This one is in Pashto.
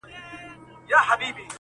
په خوښۍ کي به مي ستا د ياد ډېوه وي.